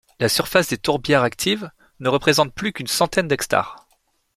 La surface des tourbières actives ne représente plus qu'une centaine d'hectares.